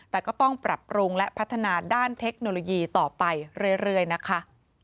แต่ก็ต้องปรับปรุงและพัฒนาด้านเทคโนโลยีต่อไปเรื่อยนะคะ